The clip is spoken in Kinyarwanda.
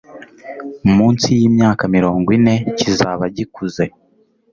Munsi y'imyaka mirongo ine kizaba gikuze